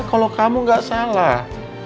kalau kamu gak salah